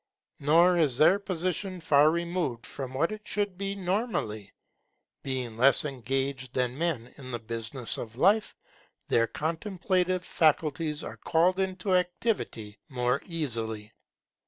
Nor is their position far removed from what it should be normally; being less engaged than men in the business of life, their contemplative faculties are called into activity more easily.